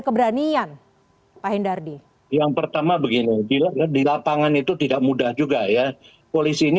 keberanian pak hendardi yang pertama begini di lapangan itu tidak mudah juga ya polisi ini